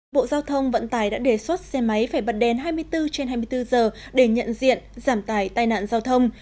bộ giao thông vận tải đã đề xuất xe máy phải bật đèn hai mươi bốn trên hai mươi bốn giờ để nhận diện giảm tài tai nạn giao thông